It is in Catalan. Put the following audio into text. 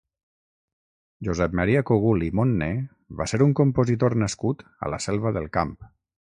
Josep Maria Cogul i Monné va ser un compositor nascut a la Selva del Camp.